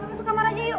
suka suka mana aja yuk